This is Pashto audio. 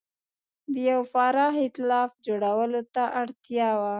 د یوه پراخ اېتلاف جوړولو ته اړتیا وه.